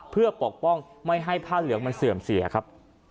เพื่อปกป้องไม่ให้ผ้าเหลืองมันเสื่อมเสียครับ